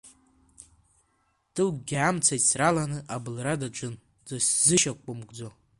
Дыгәгьы амца ицраланы абылра даҿын дазышьақәымкӡо.